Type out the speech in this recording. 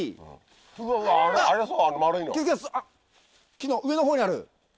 木の上のほうにある。